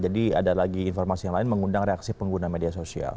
jadi ada lagi informasi yang lain mengundang reaksi pengguna media sosial